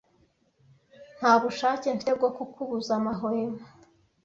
Nta bushake mfite bwo kukubuza amahwemo.